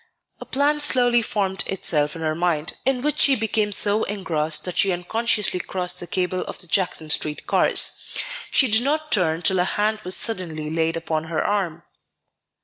A plan slowly formed itself in her mind, in which she became so engrossed that she unconsciously crossed the cable of the Jackson Street cars. She did not turn till a hand was suddenly laid upon her arm.